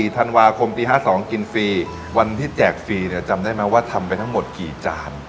ธันวาคมปี๕๒กินฟรีวันที่แจกฟรีเนี่ยจำได้ไหมว่าทำไปทั้งหมดกี่จาน